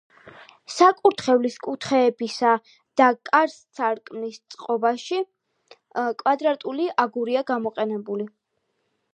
საკურთხევლის კუთხეებისა და კარ-სარკმლების წყობაში კვადრატული აგურია გამოყენებული.